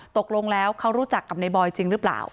ตกลงแล้วเขารู้จักกับในบอยจริงหรือเปล่า